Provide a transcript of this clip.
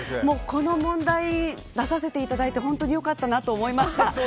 この問題出させていただいて本当によかったなと思いました。